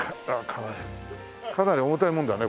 かなり重たいもんだね